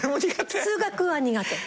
数学は苦手。